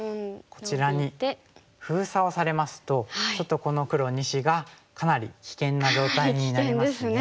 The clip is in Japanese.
こちらに封鎖をされますとちょっとこの黒２子がかなり危険な状態になりますね。